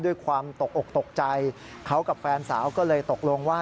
ด้วยความตกอกตกใจเขากับแฟนสาวก็เลยตกลงว่า